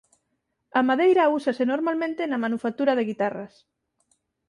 A madeira úsase normalmente na manufactura de guitarras.